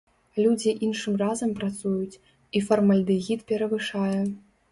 Людзі іншым разам працуюць, і фармальдэгід перавышае.